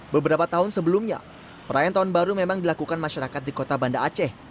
beberapa tahun sebelumnya perayaan tahun baru memang dilakukan masyarakat di kota banda aceh